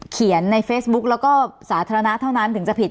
ในเฟซบุ๊กแล้วก็สาธารณะเท่านั้นถึงจะผิด